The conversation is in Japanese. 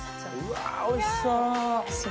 うわおいしそう。